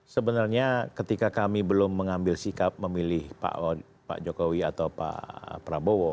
sebenarnya ketika kami belum mengambil sikap memilih pak jokowi atau pak prabowo